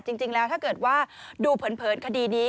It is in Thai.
จริงแล้วถ้าเกิดว่าดูเผินคดีนี้